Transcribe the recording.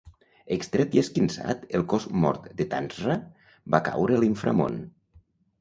Extret i esquinçat, el cos mort de Tanzra va caure a l'inframón.